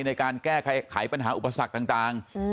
ในการแก้ไขปัญหาอุปสรรคต่าง